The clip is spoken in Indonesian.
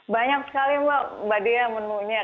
banyak sekali mbak dea menunya